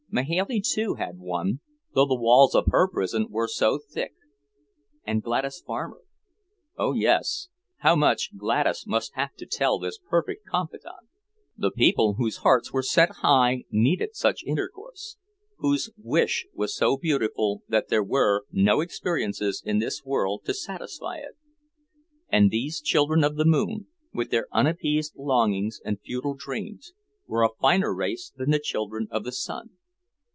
Mahailey, too, had one, though the walls of her prison were so thick and Gladys Farmer. Oh, yes, how much Gladys must have to tell this perfect confidant! The people whose hearts were set high needed such intercourse whose wish was so beautiful that there were no experiences in this world to satisfy it. And these children of the moon, with their unappeased longings and futile dreams, were a finer race than the children of the sun.